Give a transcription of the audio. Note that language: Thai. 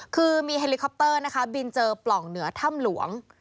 คือมีเฮลิคอปเตอร์นะคะบินเจอปล่องเหนือถ้ำหลวง